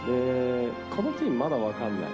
このチームは、まだ分かんない。